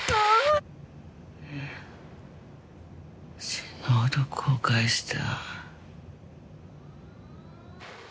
死ぬほど後悔した。